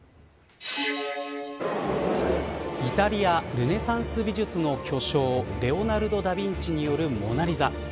イタリアルネサンス美術の巨匠レオナルド・ダ・ヴィンチによるモナ・リザ。